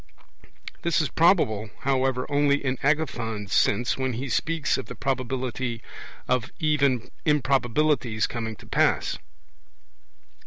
This is probable, however, only in Agathon's sense, when he speaks of the probability of even improbabilities coming to pass.